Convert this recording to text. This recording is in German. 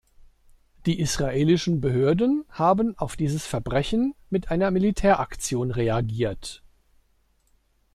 Die israelischen Behörden haben auf dieses Verbrechen mit einer Militäraktion reagiert.